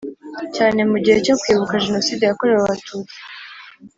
cyane mu gihe cyo kwibuka Jenoside yakorewe Abatutsi